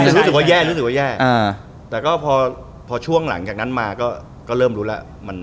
รู้สึกว่าแย่แต่ก็พอช่วงหลังจากนั้นมาก็เริ่มรู้แล้ว